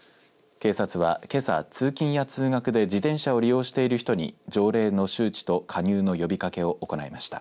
警察は、けさ通勤や通学で自転車を利用している人に条例の周知と加入の呼びかけを行いました。